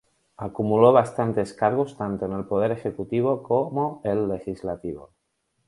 Acumuló bastantes cargos tanto en el poder ejecutivo como el legislativo.